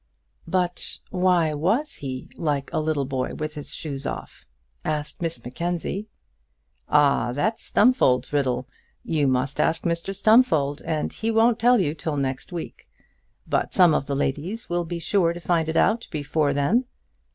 "But why was he like a little boy with his shoes off?" asked Miss Mackenzie. "Ah! that's Stumfold's riddle. You must ask Mr Stumfold, and he won't tell you till next week. But some of the ladies will be sure to find it out before then.